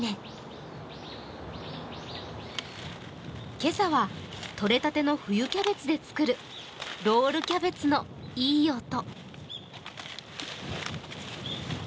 今朝はとれたての冬キャベツで作るロールキャベツのいい音。